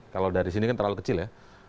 kalau dari sini kan terlalu kecil ya